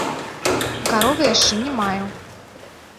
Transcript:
Каровы яшчэ не маю.